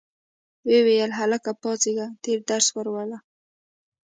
ویې ویل هلکه پاڅیږه تېر درس ولوله.